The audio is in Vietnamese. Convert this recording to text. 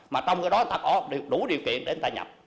mà trong cái đó ta có đủ điều kiện để ta nhập